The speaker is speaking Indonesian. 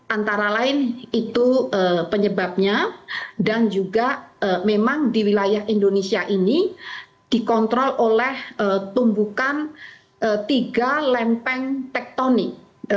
antara lain itu penyebabnya dan juga memang di wilayah indonesia ini dikontrol oleh tumbukan tiga lempeng tektonik